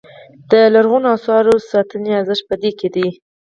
د لرغونو اثارو ساتنې ارزښت په دې کې دی.